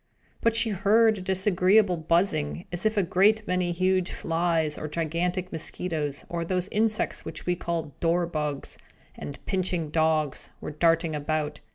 But she heard a disagreeable buzzing, as if a great many huge flies, or gigantic mosquitoes, or those insects which we call dor bugs, and pinching dogs, were darting about.